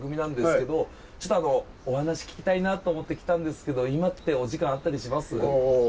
ちょっとお話聞きたいなと思って来たんですけど今ってお時間あったりします？